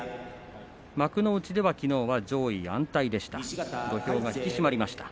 幕内ではきのうは上位安泰でした。